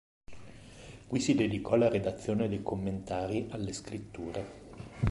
Qui si dedicò alla redazione dei commentari alle Scritture.